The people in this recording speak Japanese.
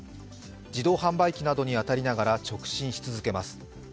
自動販売機などに当たりながら直進し続けます。